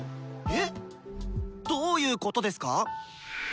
え⁉どういうことですか？